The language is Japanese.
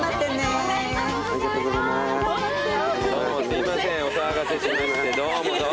すいませんお騒がせしましてどうもどうも。